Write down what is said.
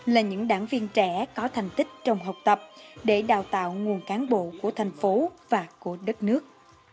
là những đảng viên trẻ có thành tích trong học tập để đào tạo nguồn cán bộ của thành phố và của đất nước